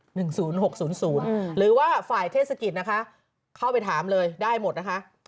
หรือว่าฝ่ายเทศกิจนะคะเข้าไปถามเลยได้หมดนะคะ